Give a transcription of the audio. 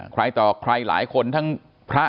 ใครต่อใครหลายคนทั้งพระ